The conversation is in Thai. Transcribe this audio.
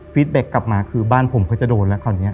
ฟีดแบ็คกลับมาคือบ้านผมเขาจะโดนแล้ว